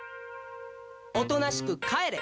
おとなしく帰れ！